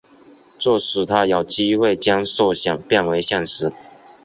这使他有机会将设想变为现实。